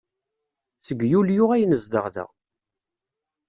Seg Yulyu ay nezdeɣ da.